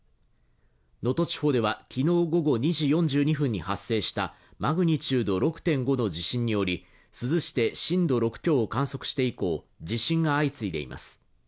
能登地方では昨日午後２時４２分に観測したマグニチュード６．５の地震により珠洲市で震度６強を観測して以降、地震が相次いでいます。